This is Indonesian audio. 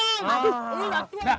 lu gak tua